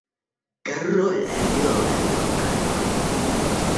Король орёл – орёл король.